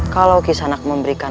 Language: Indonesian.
kalau kisanak memberikan uang